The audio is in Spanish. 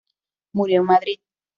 Murió en Madrid.